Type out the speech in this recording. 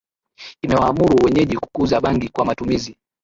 imewaamuru wenyeji kukuza bangi kwa matumizi